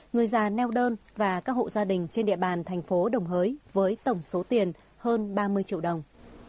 người già neo đơn và các hộ gia đình trên địa bàn thành phố đồng hới với tổng số tiền hơn ba mươi triệu đồng